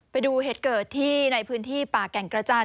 ไปดูเหตุเกิดที่ในพื้นที่ป่าแก่งกระจาน